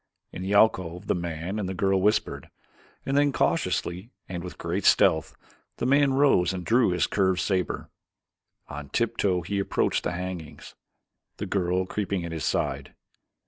In the alcove the man and the girl whispered, and then cautiously and with great stealth, the man rose and drew his curved saber. On tiptoe he approached the hangings, the girl creeping at his side.